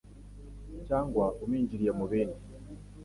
Cyangwa uminjiriye mu bindi